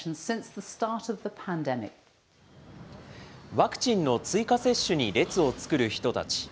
ワクチンの追加接種に列を作る人たち。